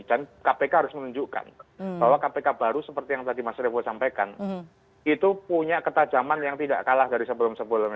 dan kpk harus menunjukkan bahwa kpk baru seperti yang tadi mas revo sampaikan itu punya ketajaman yang tidak kalah dari sebelum sebelumnya